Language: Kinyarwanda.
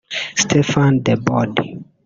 Stefan De Bod